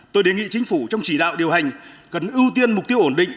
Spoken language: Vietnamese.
tôi đề nghị chính phủ trong chỉ đạo điều hành cần ưu tiên mục tiêu ổn định